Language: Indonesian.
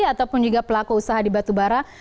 ataupun juga pelaku usaha di batubara